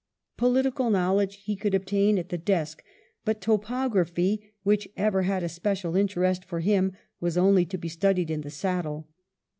Political knowledge he could obtain at the desk, but topography, which ever had a special interest for him, was only to be studied in the saddle.